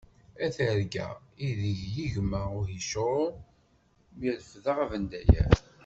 A targa i deg yegma uhicur! Mi refdeɣ abendayer.